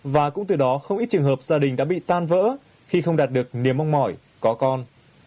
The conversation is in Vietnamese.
và cũng từ đó không ít trường hợp gia đình đã bị tan vỡ khi không đạt được niềm mong mỏi có con